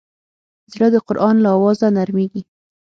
زړه د قرآن له اوازه نرمېږي.